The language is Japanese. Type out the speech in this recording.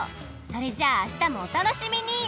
それじゃああしたもお楽しみに！